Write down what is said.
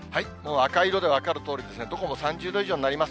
赤色で分かるとおり、どこも３０度以上になります。